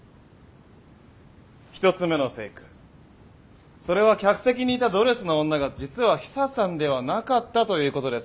１つ目のフェイクそれは客席にいたドレスの女が実はヒサさんではなかったということです。